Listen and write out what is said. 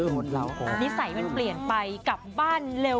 นิสัยมันเปลี่ยนไปกลับบ้านเร็ว